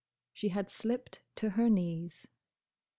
She had slipped to her knees.